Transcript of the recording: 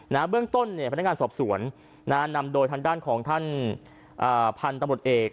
เบื้องต้นเนี่ยพนักงานสอบสวนนำโดยทางด้านของท่านพันธุ์ตำรวจเอก